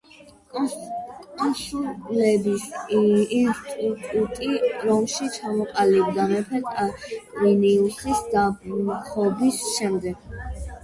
კონსულების ინსტიტუტი რომში ჩამოყალიბდა მეფე ტარკვინიუსის დამხობის შემდეგ.